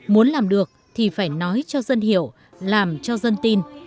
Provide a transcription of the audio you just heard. muốn làm được thì phải nói cho dân hiểu làm cho dân tin